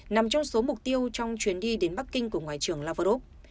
nằm trong số mục tiêu trong chuyến đi đến bắc kinh của ngoại trưởng lavrov